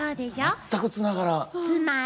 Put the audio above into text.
全くつながらん。